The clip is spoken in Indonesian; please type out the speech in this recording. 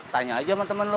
tanya aja sama temen lo